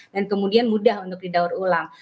dan kemudian mudah untuk didaur ulang